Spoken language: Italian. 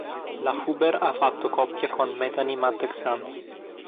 La Huber ha fatto coppia con Bethanie Mattek-Sands.